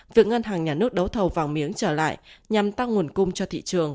việc ngân hàng nhà nước đấu thầu vàng miếng trở lại nhằm tăng nguồn cung cho thị trường